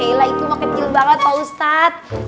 ya iya lah itu makanya kecil banget pak ustadz